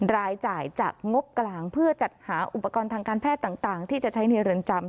รายจ่ายจากงบกลางเพื่อจัดหาอุปกรณ์ทางการแพทย์ต่างที่จะใช้ในเรือนจำ